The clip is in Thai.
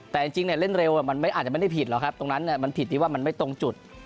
แต่จริงเล่นเร็วมันอาจจะไม่ได้ผิดหรอกครับตรงนั้นมันผิดที่ว่ามันไม่ตรงจุด